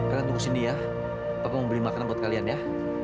kalian tunggu sini ya bapak mau beli makanan buat kalian ya